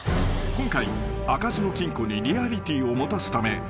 ［今回開かずの金庫にリアリティーを持たすため